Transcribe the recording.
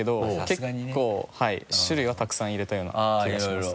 結構種類はたくさん入れたような気がします。